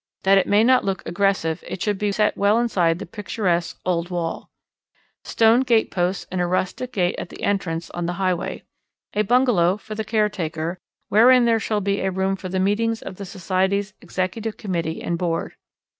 That it may not look aggressive, it should be set well inside the picturesque old wall. Stone gateposts and a rustic gate at the entrance on the highway. A bungalow for the caretaker, wherein there shall be a room for the meetings of the Society's Executive Committee and Board.